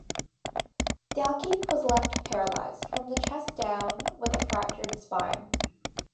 Dalkeith was left paralysed from the chest down with a fractured spine.